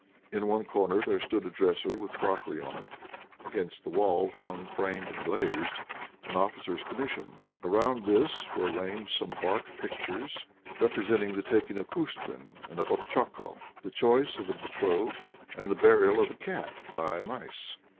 In one corner there stood a dresser with crockery on it. Against the wall hung, framed and glazed, an officer's commission. Around this were arranged some bark pictures, representing the "Taking of Kustrin" and of "Otchakóf," "The Choice of the Betrothed," and the "Burial of the Cat by the Mice."